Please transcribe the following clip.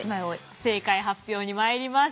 正解発表にまいります。